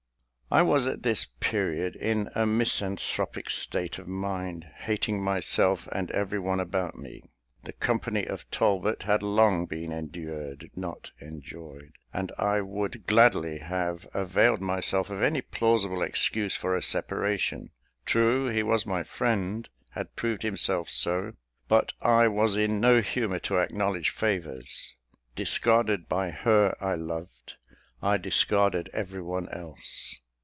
I was at this period in a misanthropic state of mind, hating myself and every one about me. The company of Talbot had long been endured, not enjoyed; and I would gladly have availed myself of any plausible excuse for a separation. True, he was my friend, had proved himself so; but I was in no humour to acknowledge favours. Discarded by her I loved, I discarded every one else.